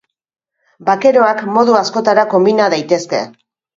Bakeroak modu askotara konbina daitezke.